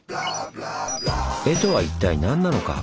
「江」とは一体何なのか？